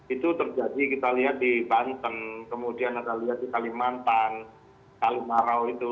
itu terjadi kita lihat di banten kemudian kita lihat di kalimantan kalimarau itu